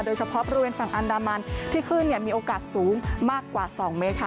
โดยเฉพาะบริเวณฝั่งอันดามันที่คลื่นมีโอกาสสูงมากกว่า๒เมตรค่ะ